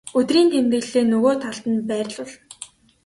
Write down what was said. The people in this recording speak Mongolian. өдрийн тэмдэглэлээ нөгөө талд нь байрлуул.